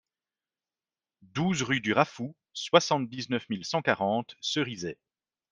douze rue du Raffou, soixante-dix-neuf mille cent quarante Cerizay